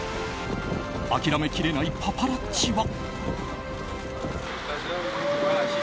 諦めきれないパパラッチは。